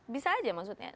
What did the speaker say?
bisa aja maksudnya